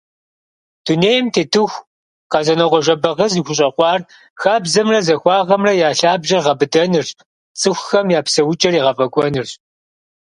Дунейм тетыху, Къэзэнокъуэ Жэбагъы зыхущӏэкъуар хабзэмрэ захуагъэмрэ я лъабжьэр гъэбыдэнырщ, цӏыхум я псэукӏэр егъэфӏэкӏуэнырщ.